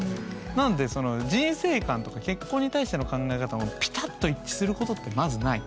なので人生観とか結婚に対しての考え方もぴたっと一致することってまずない。